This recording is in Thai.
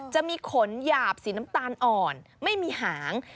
จะมีขนหยาบสีน้ำตาลอ่อนไม่มีหาง